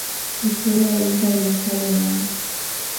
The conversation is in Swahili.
Historia ya Israeli ya Kale inaanza